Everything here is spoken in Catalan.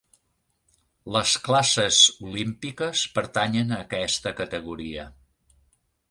Les classes olímpiques pertanyen a aquesta categoria.